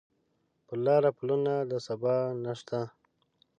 پر لاره پلونه د سبا نشته